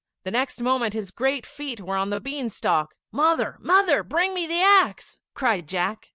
The next moment his great feet were on the bean stalk. "Mother, mother! bring me the axe," cried Jack.